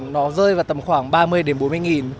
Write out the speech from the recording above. nó rơi vào tầm khoảng ba mươi đến bốn mươi nghìn